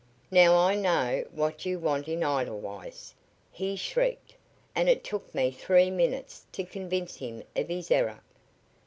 'Now I know what you want in Edelweiss!' he shrieked, and it took me three minutes to convince him of his error.